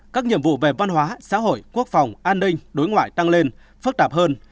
các nhiệm vụ về văn hóa xã hội quốc phòng an ninh đối ngoại tăng lên phức tạp hơn